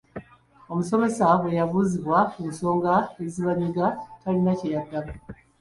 "Omusomesa bwe yabuuzibwa ku nsonga ezibanyiga, talina kye yaddamu."